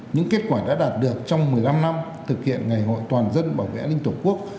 những kết quả đã đạt được trong một mươi năm năm thực hiện ngày hội toàn dân bảo vệ an ninh tổ quốc